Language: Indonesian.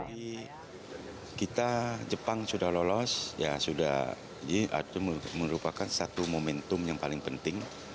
jadi kita jepang sudah lolos ya sudah ini merupakan satu momentum yang paling penting